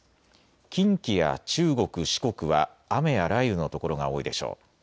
近畿や中国、四国は雨や雷雨の所が多いでしょう。